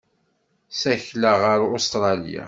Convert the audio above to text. Ssakleɣ ɣer Ustṛalya.